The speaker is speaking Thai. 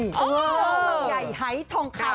น้องลำไยให้ทองคำ